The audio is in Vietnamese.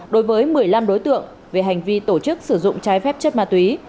đối với một mươi năm đối tượng về hành vi tổ chức sử dụng trái phép chất ma túy